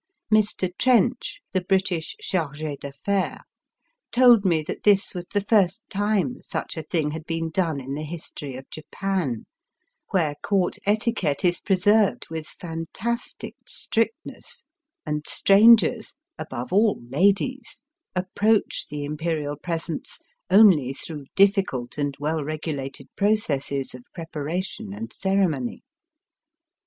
Mr. Trench, the British Charge d'Affairs, told me that this was the first time such a thing had been done in the history of Japan, where Court etiquette is preserved with fantastic strictness, and strangers, above all ladies, approach the Imperial presence only through difficult and well regulated processes Digitized by VjOOQIC THE mikado's birthday F^ITE. 225 of preparation and ceremony.